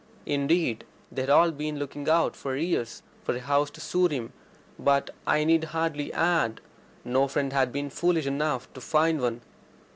Indeed, they had all been looking out for years for a house to suit him, but, I need hardly add, no friend had been foolish enough to find one.